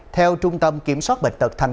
theo trung tâm kiểm soát bệnh tật tp hcm